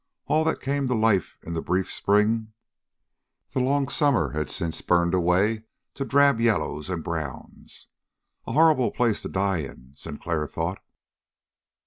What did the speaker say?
All that came to life in the brief spring, the long summer had long since burned away to drab yellows and browns. A horrible place to die in, Sinclair thought.